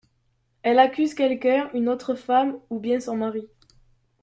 Elle accuse quelqu’un, une autre femme, ou bien Son mari.